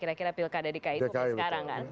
kira kira pilkada di kai itu sekarang kan